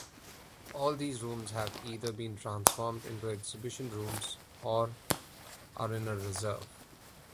All these rooms have either been transformed into exhibition rooms or are in reserve.